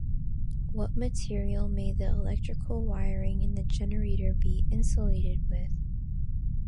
What material may the electrical wiring in the generator be insulated with?